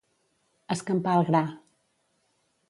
Escampar el gra.